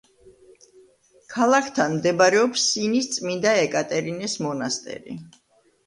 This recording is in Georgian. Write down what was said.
ქალაქთან მდებარეობს სინის წმინდა ეკატერინეს მონასტერი.